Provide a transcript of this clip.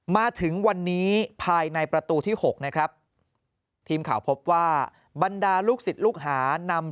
มาถึงวันนี้ภายในประตูที่๖นะครับทีมข่าวพบว่าบรรดาลูกศิษย์ลูกหานำ